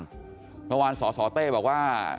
เมื่อวานสสเต้บอกว่า